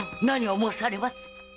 何を申されます！